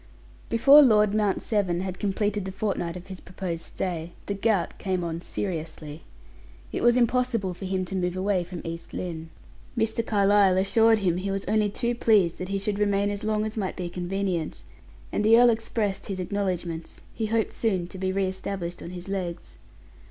Before Lord Mount Severn had completed the fortnight of his proposed stay, the gout came on seriously. It was impossible for him to move away from East Lynne. Mr. Carlyle assured him he was only too pleased that he should remain as long as might be convenient, and the earl expressed his acknowledgments; he hoped soon to be re established on his legs.